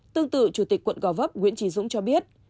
tương tự chủ tịch quận gò vấp nguyễn trí dũng cho biết